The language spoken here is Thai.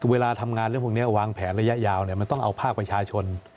เวลาทำงานเรื่องพวกนี้วางแผนระยะยาวมันต้องเอาภาคประชาชน